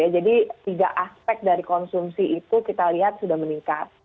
jadi tiga aspek dari konsumsi itu kita lihat sudah meningkat